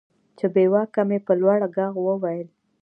چې بېواكه مې په لوړ ږغ وويل.